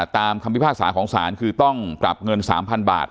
คำพิพากษาของศาลคือต้องปรับเงิน๓๐๐๐บาท